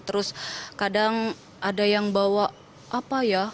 terus kadang ada yang bawa apa ya